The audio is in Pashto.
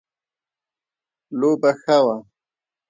لوبه ښه وه